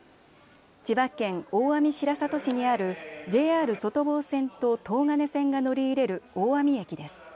千葉県大網白里市にあるＪＲ外房線と東金線が乗り入れる大網駅です。